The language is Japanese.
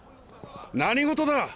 何事だ？